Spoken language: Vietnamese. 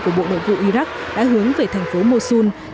của bộ đội vụ iraq đã hướng về thành phố mosul